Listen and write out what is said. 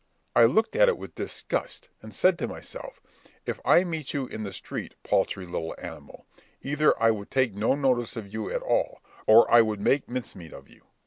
I looked at it with disgust, and said to myself, "If I met you in the street, paltry little animal, either I would take no notice of you at all, or I would make mince meat of you."